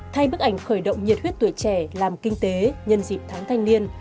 thay bức ảnh khởi động nhiệt huyết tuổi trẻ làm kinh tế nhân dịp tháng thanh niên